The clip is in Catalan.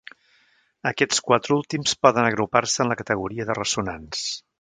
Aquests quatre últims poden agrupar-se en la categoria de ressonants.